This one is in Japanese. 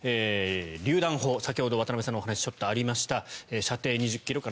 りゅう弾砲先ほど渡部さんのお話にちょっとありました射程２０ｋｍから３０ｋｍ。